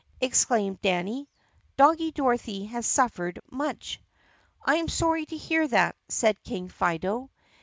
exclaimed Danny. "Doggie Dorothy has suffered much." "I am sorry to hear that," said King Fido.